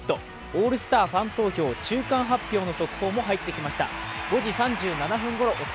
オールスターファン投票中間発表の速報も入ってきました。